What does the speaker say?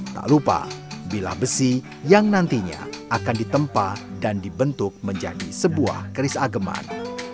tak lupa bilah besi yang nantinya akan ditempa dan dibentuk menjadi sebuah keris ageman